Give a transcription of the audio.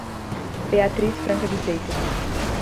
Beatriz Franca de Freitas